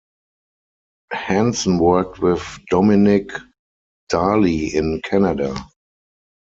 Hanson worked with Dominick Daly in Canada.